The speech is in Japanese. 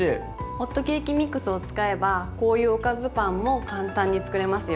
ホットケーキミックスを使えばこういうおかずパンも簡単に作れますよ。